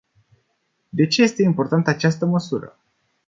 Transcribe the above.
De ce este importantă această măsură?